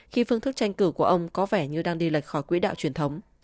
khi phương thức tranh cử của ông có vẻ như đang đi lệch khỏi quỹ đạo truyền thống